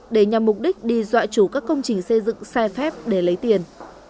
để nhằm mục đích đi dọa chủ các công trình xây dựng sai phép để lấy tiền